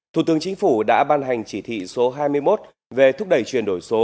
thủ tướng chính phủ đã ban hành chỉ thị số hai mươi một về thúc đẩy chuyển đổi số